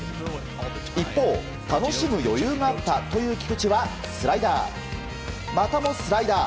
一方、楽しむ余裕があったという菊池はスライダーまたもスライダー。